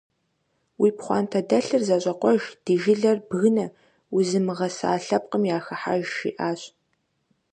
- Уи пхъуантэдэлъыр зэщӀэкъуэж, ди жылэр бгынэ, узымыгъэса лъэпкъым яхыхьэж, - жиӏащ.